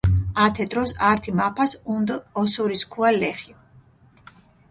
ათე დროს ართი მაფას ჸუნდჷ ოსურისქუა ლეხი.